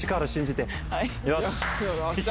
よし！